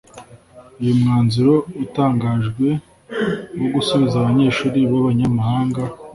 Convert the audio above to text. uyu mwanzuro utangajwe wo gusubiza abanyeshuri b'abanyamahanga